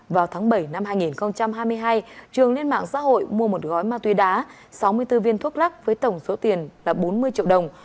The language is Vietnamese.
vào tháng bảy năm hai nghìn hai mươi hai trường lên mạng xã hội mua một gói ma túy đá sáu mươi bốn viên thuốc lắc với tổng số tiền là bốn mươi triệu đồng